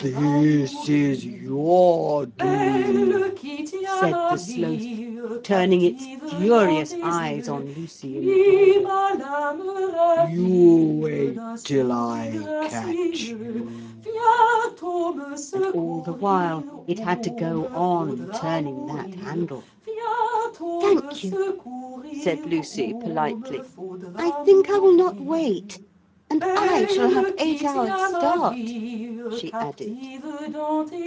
'This is your doing,' said the Sloth, turning its furious eyes on Lucy in the doorway. 'You wait till I catch you!' And all the while it had to go on turning that handle. 'Thank you,' said Lucy politely; 'I think I will not wait. And I shall have eight hours' start,' she added.